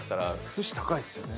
寿司高いっすよね。